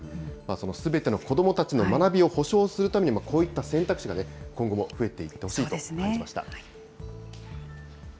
すべての子どもたちの学びを保障するために、こういった選択肢がね、今後も増えていってほしいと感じました。